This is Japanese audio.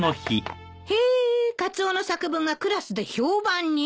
へぇカツオの作文がクラスで評判に？